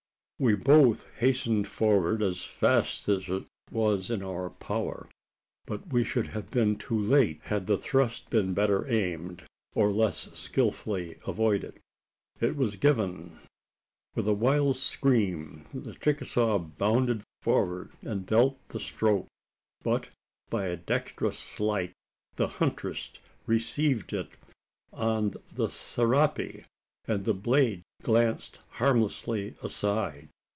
We both hastened forward as fast as it was in our power; but we should have been too late, had the thrust been better aimed, or less skilfully avoided. It was given. With a wild scream the Chicasaw bounded forward and dealt the stroke; but, by a dexterous sleight, the huntress received it on the serape, and the blade glanced harmlessly aside.